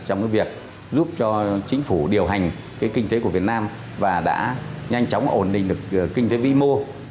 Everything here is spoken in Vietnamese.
trong việc giúp cho chính phủ điều hành kinh tế của việt nam và đã nhanh chóng ổn định được kinh tế vĩ mô